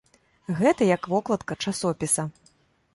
Гэта як вокладка часопіса.